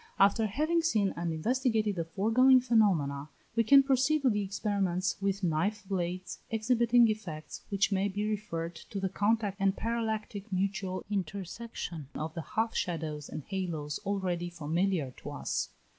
After having seen and investigated the foregoing phenomena, we can proceed to the experiments with knife blades, exhibiting effects which may be referred to the contact and parallactic mutual intersection of the half shadows and halos already familiar to us.